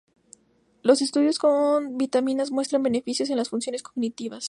Los estudios con vitaminas muestran beneficios en las funciones cognitivas.